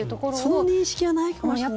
その認識はないかもしれないね。